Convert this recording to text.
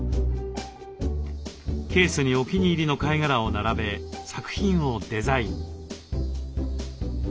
ケースにお気に入りの貝殻を並べ作品をデザイン。